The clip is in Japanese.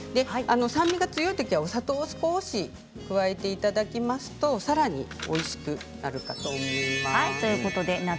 酸味が強いときはお砂糖を少し加えていただきますとさらにおいしくなるかと思います。